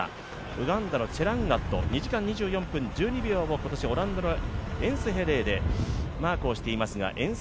ウガンダのチェランガット、２時間２４分１２秒を、今年オランダでマークしています。